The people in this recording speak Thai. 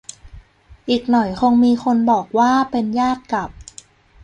อีกหน่อยคงมีคนบอกว่า เป็นญาติกับ